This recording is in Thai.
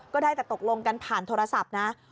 ได้แต่ตกลงกันผ่านโทรศัพท์นะ